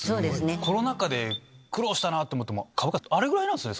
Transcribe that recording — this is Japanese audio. コロナ禍で苦労したと思っても株価あれぐらいなんですね